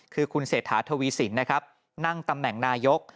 คือคุณเศรษฐาทวีสินนะครับนั่งตำแหน่งนายก